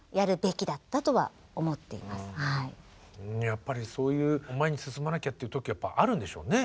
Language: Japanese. やっぱりそういう前に進まなきゃっていう時があるんでしょうね。